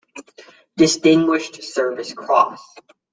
Distinguished Service Cross.